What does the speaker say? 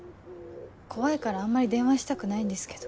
怖いからあんまり電話したくないんですけど。